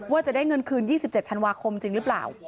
ว่าจะได้เงินคืน๒๗ธันวาคมจริงหรือเปล่า